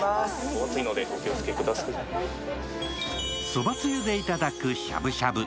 そばつゆでいただくしゃぶしゃぶ。